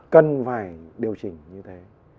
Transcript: cần phải điều chỉnh như thế